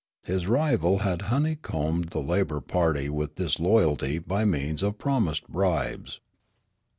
His rival had honeycombed the labour party with disloyalty by means of promised bribes.